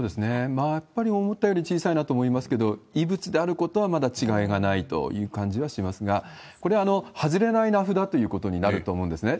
やっぱり思ったより小さいなと思いますけど、異物であることはまだ違いがないという感じはしますが、これ、外れない名札ということになると思うんですね。